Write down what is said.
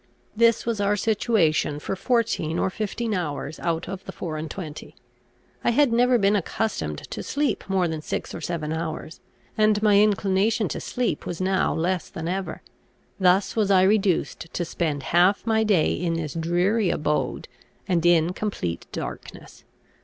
This was our situation for fourteen or fifteen hours out of the four and twenty. I had never been accustomed to sleep more than six or seven hours, and my inclination to sleep was now less than ever. Thus was I reduced to spend half my day in this dreary abode, and in complete darkness.